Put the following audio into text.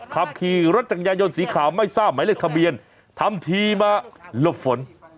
ขับขี่รถจักรยายนสีขาวไม่ทราบหมายเลขทะเบียนทำทีมาหลบฝน